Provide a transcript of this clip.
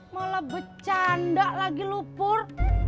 malah becanda lagi lu pur